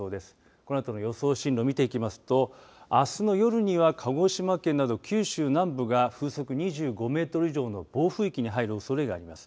このあとの予想進路見ていきますとあすの夜には鹿児島県など九州南部が風速２５メートル以上の暴風域に入るおそれがあります。